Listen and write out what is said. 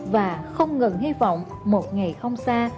và không ngừng hy vọng một ngày không xa